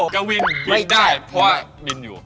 กะวินบินได้เพราะบินอยู่